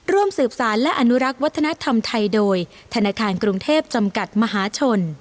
ร่วมสืบสารและอนุรักษ์วัฒนธรรมไทยโดยธนาคารกรุงเทพจำกัดมหาชน